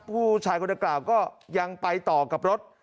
พี่ชายคนเดียวกราวก็อย่างไปต่อกับรถ